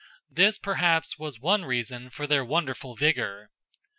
This perhaps was one reason for their wonderful vigor.